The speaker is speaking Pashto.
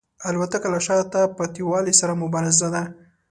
الوتکه له شاته پاتې والي سره مبارزه ده.